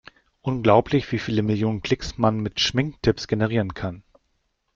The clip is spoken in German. Unglaublich, wie viele Millionen Klicks man mit Schminktipps generieren kann!